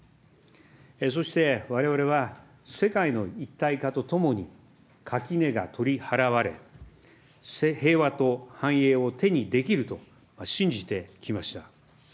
そしてわれわれは、世界の一体化とともに垣根が取り払われ、平和と繁栄を手にできると信じてきました。